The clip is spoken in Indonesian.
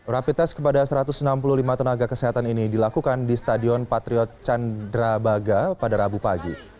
rapi tes kepada satu ratus enam puluh lima tenaga kesehatan ini dilakukan di stadion patriot candrabaga pada rabu pagi